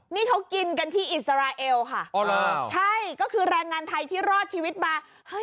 นี่เขากินกันที่อิสราเอลค่ะอ๋อเหรอใช่ก็คือแรงงานไทยที่รอดชีวิตมา